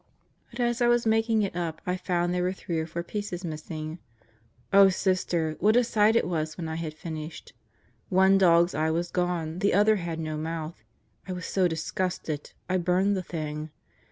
But as I was making it up, I found there were three or four pieces missing. Oh, Sister, what a sight it was when I had finished I One dog's eye was gone; the other had no mouth. I was so disgusted, I burned the thing.